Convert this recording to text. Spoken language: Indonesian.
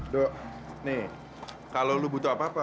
dik kalau lo butuh apa apa